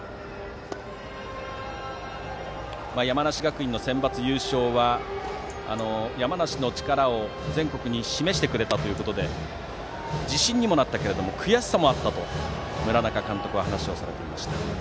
山梨学院のセンバツ優勝は山梨の力を全国に示してくれたということで自信にもなったけれども悔しさもあったと村中監督は話していました。